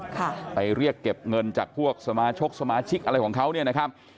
ค่ะไปเรียกเก็บเงินจากพวกสมาชิกอะไรของเขาเนี่ยนะครับ